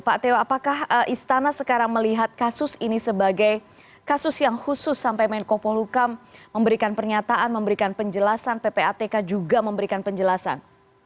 pak teo apakah istana sekarang melihat kasus ini sebagai kasus yang khusus sampai menko polukam memberikan pernyataan memberikan penjelasan ppatk juga memberikan penjelasan